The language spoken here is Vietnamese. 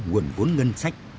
nguồn vốn ngân sách